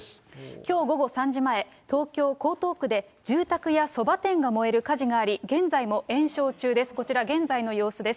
きょう午後３時前、東京・江東区で住宅やそば店が燃える火事があり、現在も延焼中です。